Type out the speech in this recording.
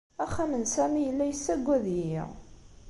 Axxam n Sami yella yessaggad-iyi.